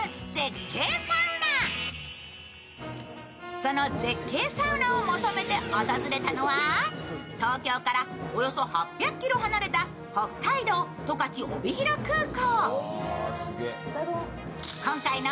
その絶景サウナを求めて訪れたのは、東京からおよそ８００ｋｍ離れた北海道十勝帯広空港。